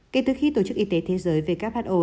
kể từ khi tổ chức y tế thế giới who